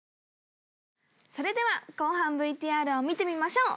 それでは後半ＶＴＲを見てみましょう。